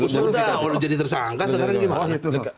sudah kalau jadi tersangka sekarang gimana